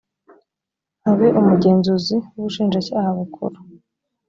abe umugenzuzi w ubushinjacyaha bukuru